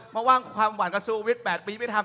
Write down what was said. เพราะว่าความหวั่นก็ชูวิต๘ปีไม่ทำ